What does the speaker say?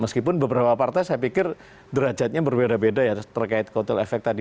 meskipun beberapa partai saya pikir derajatnya berbeda beda ya terkait kotel efek tadi